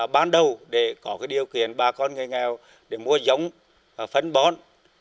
bắt đầu để có điều kiện bà con người nghèo để mua giống phấn bón